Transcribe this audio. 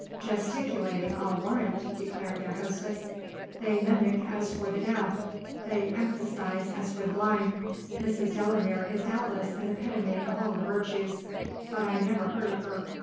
"Gesticulating I'll warrant!" declared their hostess. "They mimic as for the deaf, they emphasise as for the blind. Mrs. Delamere is doubtless an epitome of all the virtues, but I never heard of her.